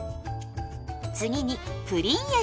次にプリン液。